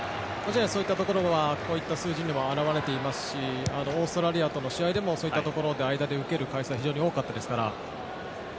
そういったところがこういった数字に表れていますしオーストラリアとの試合でも間で受ける回数が非常に多かったですから。